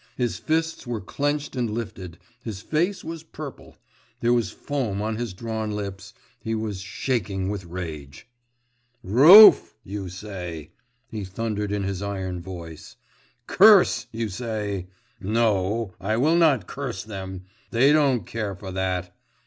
His fists were clenched and lifted, his face was purple, there was foam on his drawn lips, he was shaking with rage. 'Roof, you say!' he thundered in his iron voice, 'curse, you say.… No! I will not curse them.… They don't care for that.